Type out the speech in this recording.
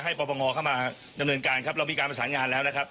ปรปงเข้ามาดำเนินการครับเรามีการประสานงานแล้วนะครับ